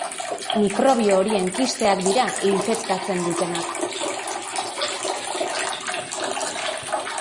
Mikrobio horien kisteak dira infektatzen dutenak.